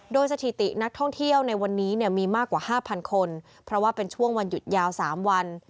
โดยสถิตินักท่องเที่ยวในวันนี้เนี่ยมีมากกว่า๕๐๐คนเพราะว่าเป็นช่วงวันหยุดยาว๓วัน